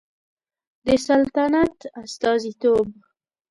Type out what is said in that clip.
د سلطنت استازیتوب